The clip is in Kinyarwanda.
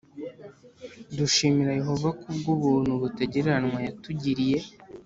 Dushimira Yehova ku bw’ubuntu butagereranywa yatugiriye